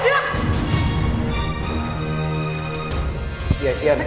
pergi aku bilang